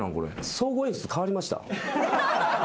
総合演出変わりました？